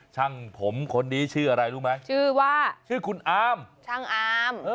ช่างผมคนนี้ชื่ออะไรรู้ไหม